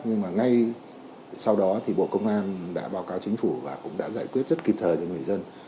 nhưng mà ngay sau đó thì bộ công an đã báo cáo chính phủ và cũng đã giải quyết rất kịp thời cho người dân